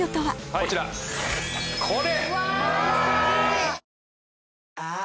こちらこれ！